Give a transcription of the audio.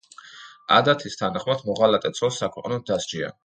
ადათის თანახმად, მოღალატე ცოლს საქვეყნოდ დასჯიან.